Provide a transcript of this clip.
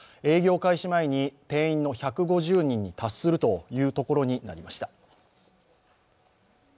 営業開始前に定員の１５０人に達するということになりました。